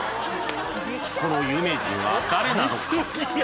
この有名人は誰なのか？